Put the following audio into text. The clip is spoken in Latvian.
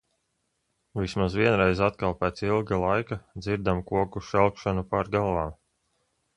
Vismaz vienreiz atkal pēc ilga laika dzirdam koku šalkšanu pār galvām.